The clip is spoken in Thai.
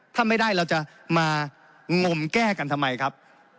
ถ้าไม่ได้เราจะมางมแก้กันทำไมครับ